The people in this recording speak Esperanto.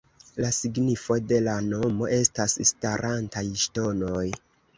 La signifo de la nomo estas ""starantaj ŝtonoj"".